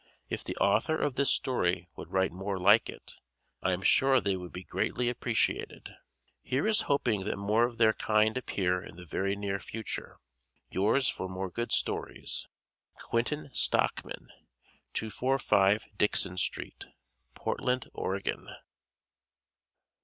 If the author of this story would write more like it, I am sure they would be greatly appreciated. Here is hoping that more of their kind appear in the very near future. Yours for more good stories. Quenton Stockman, 245 Dixon Street, Portland, Oregon.